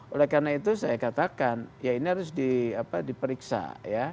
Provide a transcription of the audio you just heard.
oleh karena itu saya katakan ya ini harus diperiksa ya